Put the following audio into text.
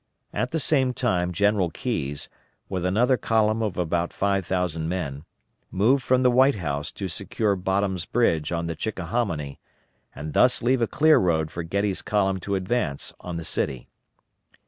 At the same time General Keyes, with another column of about five thousand men, moved from the White House to secure Bottom's Bridge on the Chickahominy, and thus leave a clear road for Getty's column to advance on the city.